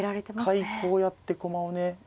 一回こうやって駒をね